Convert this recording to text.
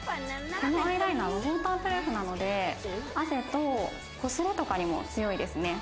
このアイライナー、ウォータープルーフなので汗と擦れとかにも強いですね。